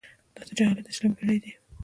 دا جاهلیت د شلمې پېړۍ دی.